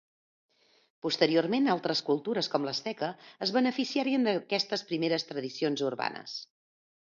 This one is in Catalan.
Posteriorment, altres cultures com l'Asteca es beneficiaren d'aquestes primeres tradicions urbanes.